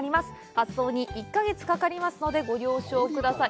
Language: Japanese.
発送に１か月かかりますので、ご了承ください。